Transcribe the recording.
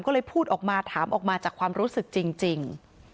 ก็เลยพูดออกมาถามออกมาจากความรู้สึกจริง